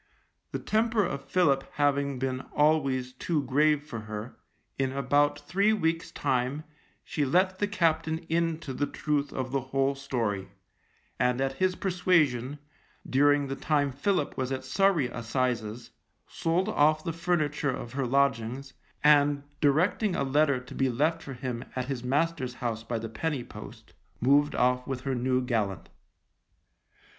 The temper of Philip having been always too grave for her, in about three weeks' time she let the captain into the truth of the whole story, and at his persuasion, during the time Philip was at Surrey assizes, sold off the furniture of her lodgings, and directing a letter to be left for him at his master's house by the Penny Post, moved off with her new gallant.